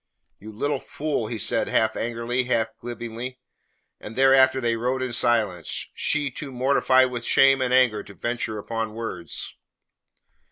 "You little fool!" he said half angrily, half gibingly; and thereafter they rode in silence she too mortified with shame and anger to venture upon words.